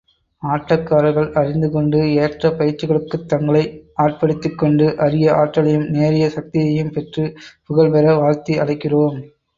ஆட்டக்காரர்கள் அறிந்துகொண்டு, ஏற்ற பயிற்சிகளுக்குத் தங்களை ஆட்படுத்திக்கொண்டு, அரிய ஆற்றலையும் நேரிய சக்தியையும் பெற்று, புகழ்பெற வாழ்த்தி அழைக்கிறோம்.